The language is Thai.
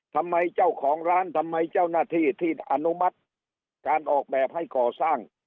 ทำไมเจ้าของร้านทำไมเจ้าหน้าที่ที่อนุมัติการออกแบบให้ก่อสร้าง